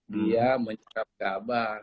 dia menyerap gabah